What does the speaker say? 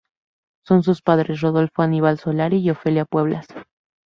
Son sus padres: Rodolfo Aníbal Solari, y Ofelia Pueblas